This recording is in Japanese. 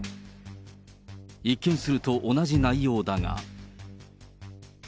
一見すると同じ内容だが。